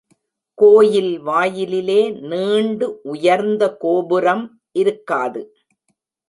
கோயில் வாயிலிலே நீண்டு உயர்ந்த கோபுரம் இருக்காது.